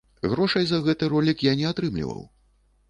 Грошай за гэты ролік я не атрымліваў.